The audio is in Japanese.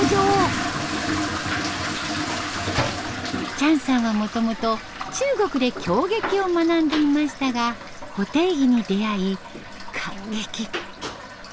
チャンさんはもともと中国で京劇を学んでいましたが布袋劇に出会い感激。